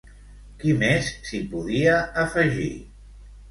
Qui més s'hi podia afegir?